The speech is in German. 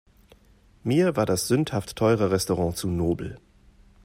Mir war das sündhaft teure Restaurant zu nobel.